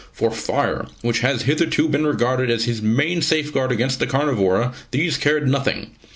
For fire which has hitherto been regarded as his main safeguard against the carnivora these cared nothing.